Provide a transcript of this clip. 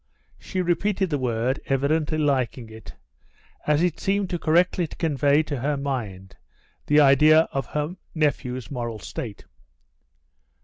She repeated the word, evidently liking it, as it seemed to correctly convey to her mind the idea of her nephew's moral state.